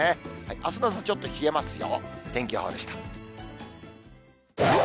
あすの朝、ちょっと冷えますよ。